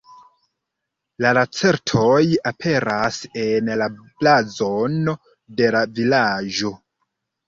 La lacertoj aperas en la blazono de la vilaĝo.